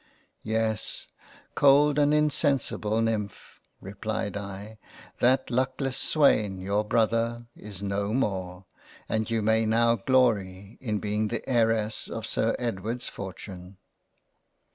" Yes, cold and insensible Nymph, (replied I) that luckless swain your Brother, is no more, and you may now glory in being the Heiress of Sir Edward's fortune."